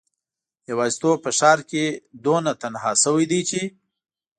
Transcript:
یوازیتوب په ښار کې دومره تنها شوی دی چې